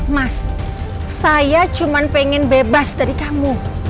mas saya cuma pengen bebas dari kamu